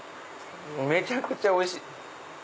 めちゃくちゃおいしい！